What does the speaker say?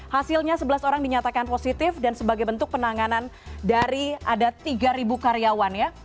hasilnya sebelas orang dinyatakan positif dan sebagai bentuk penanganan dari ada tiga karyawan ya